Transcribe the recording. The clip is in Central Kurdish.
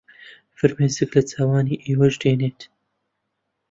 فرمێسک لە چاوانی ئێوەش دێنێت